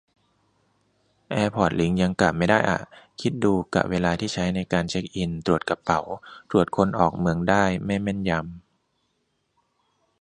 แอร์พอร์ตลิงก์ยังกะไม่ได้อะ คิดดู กะเวลาที่ใช้ในการเช็คอิน-ตรวจกระเป๋า-ตรวจคนออกเมืองได้ไม่แม่นยำ